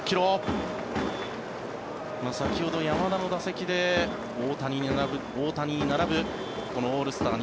先ほどの山田の打席で大谷に並ぶオールスター